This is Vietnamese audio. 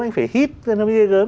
anh phải hít thì nó mới gây gớm